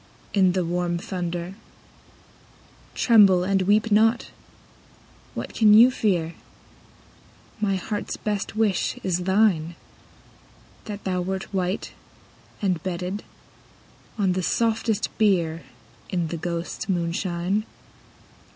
In the warm thunder : (Tremble and weep not I What can you fear?) My heart's best wish is thine, — That thou wert white, and bedded On the softest bier. In the ghosts* moonshine.